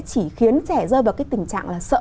chỉ khiến trẻ rơi vào cái tình trạng là sợ